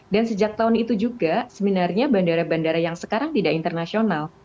dan sejak tahun itu juga sebenarnya bandara bandara yang sekarang tidak internasional